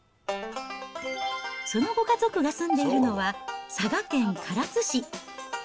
そのご家族が住んでいるのは、佐賀県唐津市。